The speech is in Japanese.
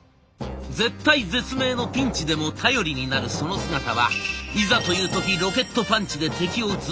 絶体絶命のピンチでも頼りになるその姿はいざという時ロケットパンチで敵をうつ